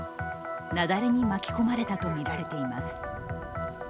雪崩に巻き込まれたとみられています。